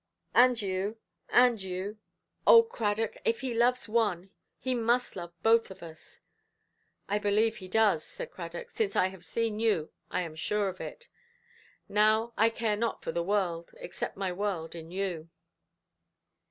"And you, and you. Oh, Cradock! if He loves one, He must love both of us". "I believe He does", said Cradock; "since I have seen you, I am sure of it. Now I care not for the world, except my world in you".